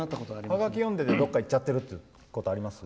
ハガキ読んでてどっかいっちゃってるってことあります？